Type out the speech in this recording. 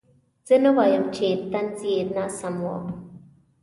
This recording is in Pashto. زه نه وایم چې طنز یې ناسم و.